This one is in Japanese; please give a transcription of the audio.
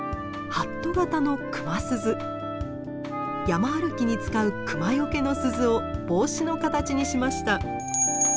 山歩きに使う熊よけの鈴を帽子の形にしました。